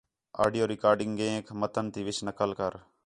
آڈیو ریکارڈینگیک متن تے وِچ نقل کر